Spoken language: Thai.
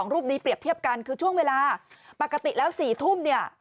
รูปนี้เปรียบเทียบกันคือช่วงเวลาปกติแล้ว๔ทุ่มเนี่ย